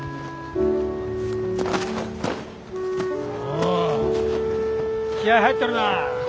おお気合い入ってるな。